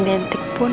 dia sudah berubah